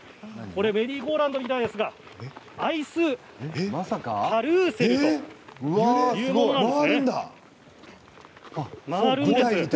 メリーゴーラウンドみたいですけどアイスカルーセルというものなんです。